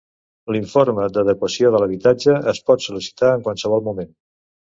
L'informe d'adequació de l'habitatge es pot sol·licitar en qualsevol moment.